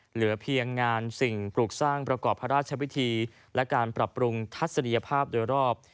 เหลือเพียงงานสิ่งปลูกสร้างประกอบพระราชวิธีและการปรับปรุงทัศนียภาพโดยรอบ